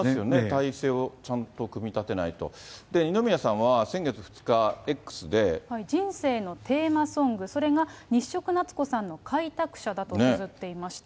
体制をちゃんと組み立てない人生のテーマソング、それが日食なつこさんの開拓者だとつづっていました。